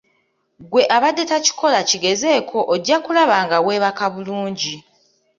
Gwe abadde takikola kigezeeko ojja kulaba nga weebaka bulungi